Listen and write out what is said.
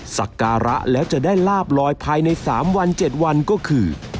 สักการะแล้วจะได้ลาบลอยภายใน๓วัน๗วันก็คือ